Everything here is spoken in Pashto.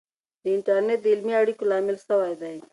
د انټرنیټ د علمي اړیکو لامل سوی دی.